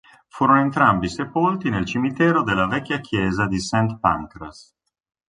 Furono entrambi sepolti nel cimitero della vecchia chiesa di St Pancras.